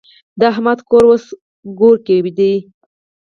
د احمد کور اوس کورګی دی.